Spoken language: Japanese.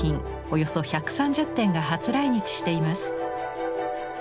およそ１３０点が初来日しています。